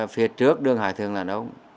phía trước đường hải thường là đâu